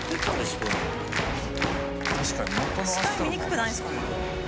視界見にくくないんですかね。